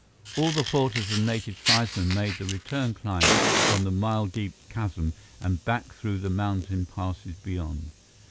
All the porters and native tribesmen made the return climb from the mile deep chasm and back through the mountain passes beyond.